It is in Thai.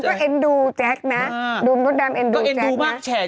จริงใจคือจริงจริง